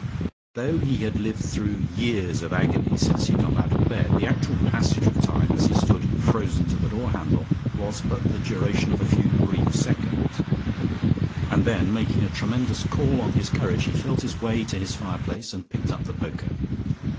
Though he had lived through years of agony since he got out of bed, the actual passage of time, as he stood frozen to the door handle, was but the duration of a few brief seconds, and then making a tremendous call on his courage he felt his way to his fireplace, and picked up the poker.